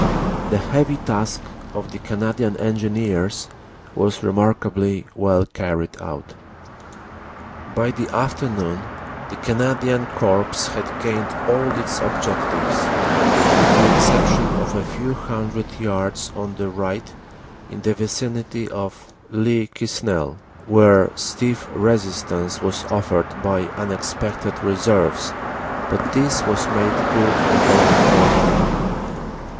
The heavy task of the Canadian Engineers was remarkably well carried out. "By the afternoon the Canadian Corps had gained all its objectives, with the exception of a few hundred yards on the right in the vicinity of Le Quesnel, where stiff resistance was offered by unexpected reserves, but this was made good the following morning.